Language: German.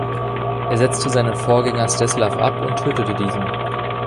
Er setzte seinen Vorgänger Zdeslav ab und tötete diesen.